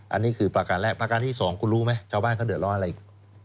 อันนี้คือประการแรกประการที่สองคุณรู้ไหมชาวบ้านเขาเดือดร้อนอะไร